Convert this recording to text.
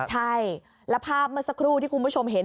ใช่แล้วภาพเมื่อสักครู่ที่คุณผู้ชมเห็น